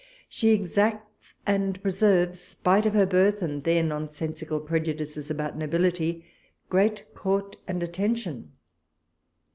She exacts and preserves, spite of her birth and their nonsensical prejudices walpole's letters. 119 about nobility, great court and attention.